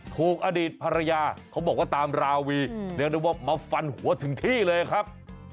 ถูกอดีตภรรยาเขาบอกว่าตามราวีเรียกได้ว่ามาฟันหัวถึงที่เลยครับ